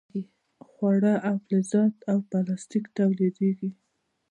خواړه او فلزات او پلاستیک تولیدیږي.